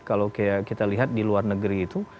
kalau kita lihat di luar negeri itu